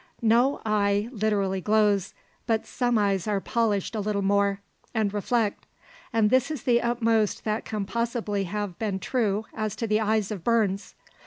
No eye literally glows; but some eyes are polished a little more, and reflect. And this is the utmost that can possibly have been true as to the eyes of Burns.